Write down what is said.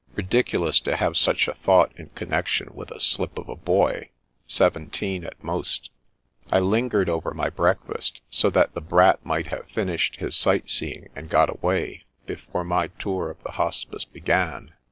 Ridiculous to have such a thought in connection with a slip of a boy, seventeen at most ! I lingered over my break fast, so that the Brat might have finished his sight seeing and got away, before my tour of the Hospice began.